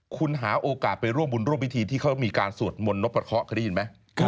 ๑คุณหาโอกาสไปร่วมบุญร่วมวิธีที่เขามีการสวดมนต์นบกับเคราะห์เค้าได้ยินมั้ย